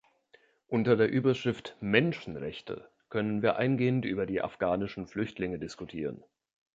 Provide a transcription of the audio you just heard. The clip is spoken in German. Unter der Überschrift "Menschenrechte" können wir eingehend über die afghanischen Flüchtlinge diskutieren.